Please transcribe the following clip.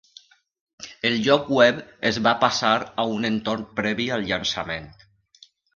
El lloc web es va passar a un entorn previ al llançament.